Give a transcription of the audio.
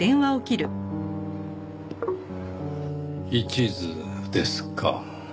一途ですか。